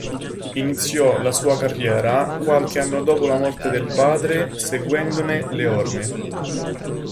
Iniziò la sua carriera qualche anno dopo la morte del padre, seguendone le orme.